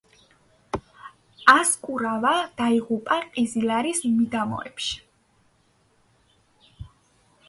ასკურავა დაიღუპა ყიზლარის მიდამოებში.